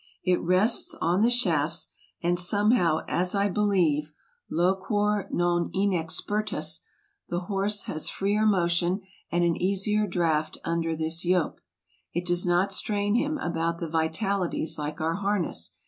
It rests on the shafts, and somehow, as I believe (loquor 11011 in expertus), the horse has freer motion and an easier draught under this yoke. It does not strain him about the vitalities like our harness.